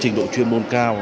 trình độ chuyên môn cao